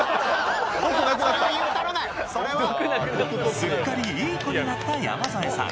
すっかりいい子になった山添さん。